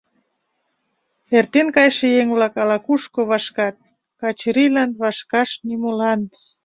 Эртен кайше еҥ-влак ала-кушко вашкат, Качырийлан вашкаш нимолан.